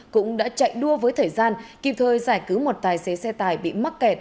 cũng đã chạy đua với thời gian kịp thời giải cứu một tài xế xe tải bị mắc kẹt